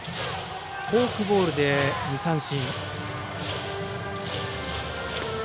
フォークボールで、２三振。